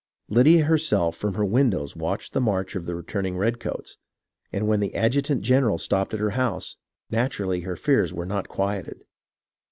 Lydia herself from her windows watched the march of the returning redcoats ; and when the adjutant general stopped at her house, naturally her fears were not quieted.